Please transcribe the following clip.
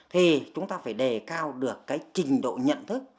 thì chúng ta phải đề cao được cái trình độ nhận thức